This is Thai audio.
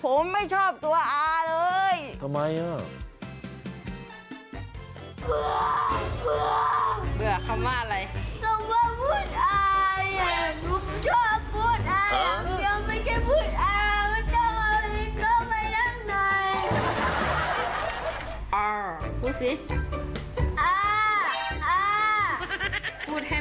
กลุ่มชอบอ่ามันดีกว่าดีกว่า